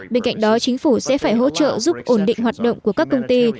bên cạnh đó chính phủ sẽ phải hỗ trợ giúp ổn định hoạt động của các công ty